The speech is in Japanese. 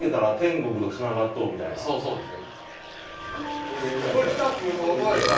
そうそうです。